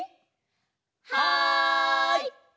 はい！